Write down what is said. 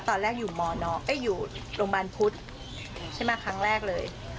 ตอนแรกอยู่มนอยู่โรงพยาบาลพุทธใช่ไหมครั้งแรกเลย